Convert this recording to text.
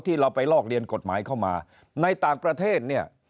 ที่เราไปลอกเรียนกฎหมายเข้ามาในต่างประเทศเนี่ย